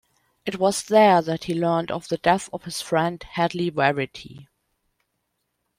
It was there that he learned of the death of his friend, Hedley Verity.